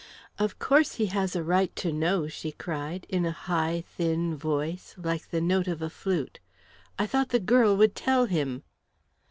"Of course he has a right to know!" she cried, in a high, thin voice, like the note of a flute. "I thought the girl would tell him."